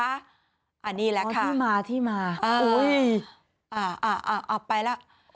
อันนี้แหละค่ะอ๋อที่มาอุ๊ยอ๋อไปแล้ว